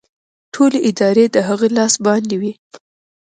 ټولې ادارې د هغه لاس باندې وې